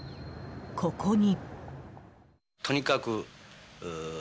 ここに。